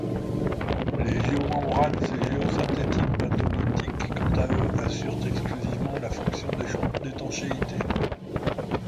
Les géomembranes et géosynthétique bentonitique quant à eux assurent exclusivement la fonction d’étanchéité.